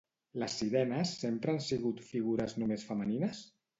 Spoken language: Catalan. Les sirenes sempre han sigut figures només femenines?